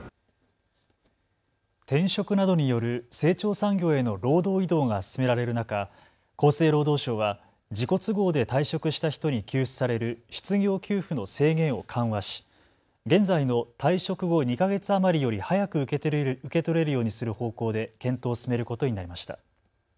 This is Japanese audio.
転職などによる成長産業への労働移動が進められる中、厚生労働省は自己都合で退職した人に給付される失業給付の制限を緩和し現在の退職後２か月余りより早く受け取れるようにする方向で検討を進めることになりました。